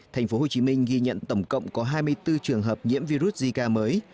tp hcm ghi nhận tổng cộng có hai mươi bốn trường hợp nhiễm virus zika mới